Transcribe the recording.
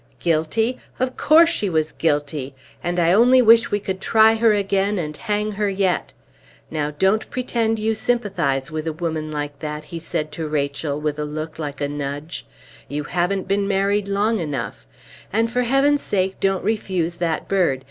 Guilty? Of course she was guilty; and I only wish we could try her again and hang her yet! Now don't pretend you sympathize with a woman like that," he said to Rachel, with a look like a nudge; "you haven't been married long enough; and for Heaven's sake don't refuse that bird!